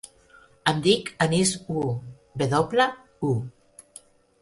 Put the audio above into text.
Em dic Anis Wu: ve doble, u.